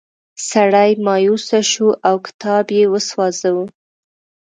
سړی مایوسه شو او کتاب یې وسوځاوه.